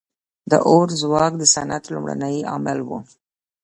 • د اور ځواک د صنعت لومړنی عامل و.